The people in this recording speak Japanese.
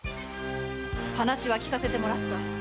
⁉話は聞かせてもらった。